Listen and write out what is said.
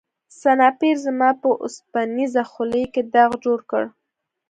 سنایپر زما په اوسپنیزه خولۍ کې داغ جوړ کړ